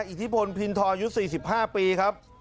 อิทธิพลพินทรอายุ๔๕ปีครับ